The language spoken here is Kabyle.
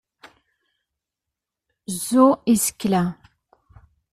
Ẓẓu isekla!